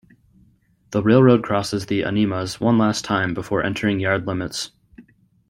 The railroad crosses the Animas one last time before entering yard limits.